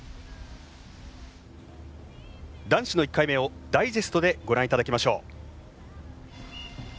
男子の１回目をダイジェストでご覧いただきましょう。